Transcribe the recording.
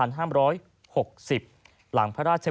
ที่มีโอกาสได้ไปชม